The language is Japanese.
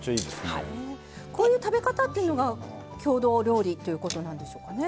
こういう食べ方っていうのは郷土料理っていうことなんでしょうかね？